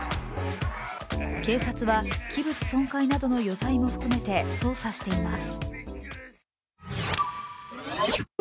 警察は器物損壊などの余罪も含めて捜査しています。